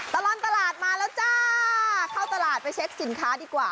ตลอดตลาดมาแล้วจ้าเข้าตลาดไปเช็คสินค้าดีกว่า